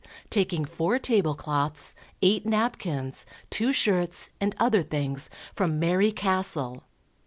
taking four table cloths, eight napkins, two shirts and other things, from Mary Cassell.